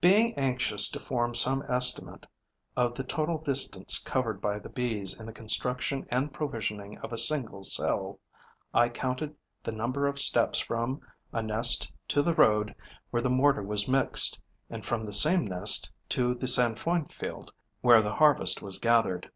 Being anxious to form some estimate of the total distance covered by the Bee in the construction and provisioning of a single cell, I counted the number of steps from a nest to the road where the mortar was mixed and from the same nest to the sainfoin field where the harvest was gathered.